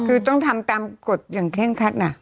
คือต้องทำตามกฎอย่างเคร่งคัดนะ